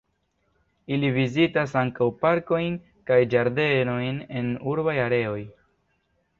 Ili vizitas ankaŭ parkojn kaj ĝardenojn en urbaj areoj.